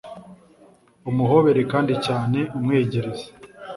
umuhobere kandi cyane, umwiyegereze